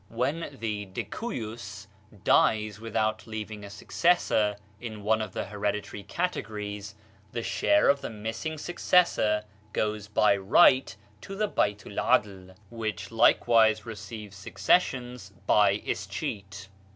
When the de cujus dies with out leaving a successor in one of the hereditary categories, the share of the missing successor goes by right to the Baltu'l 'Adl, which likewise receives suc cessions by escheat.